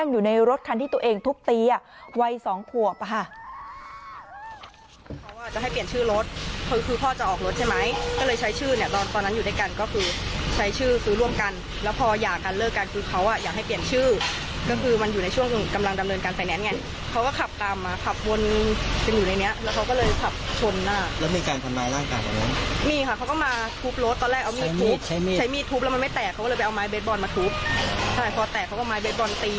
เบสบอลมาทุบใช่พอแตกเขาก็มาเบสบอลตี